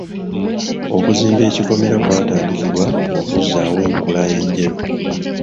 Okuzimba ekikomera kwatandikibwa okuzzaawo enkula enjeru.